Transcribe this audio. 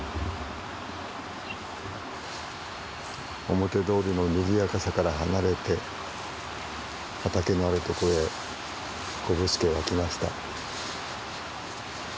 表通りのにぎやかさから離れて畑のある所へこぶすけは来ました。